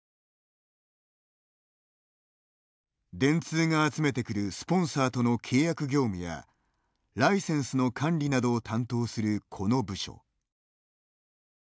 電通が集めてくるスポンサーとの契約業務やライセンスの管理などを担当するこの部署。